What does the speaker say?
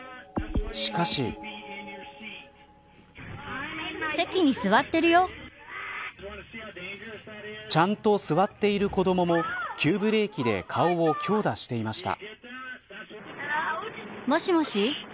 しかし。ちゃんと座っている子どもも急ブレーキで顔を強打していました。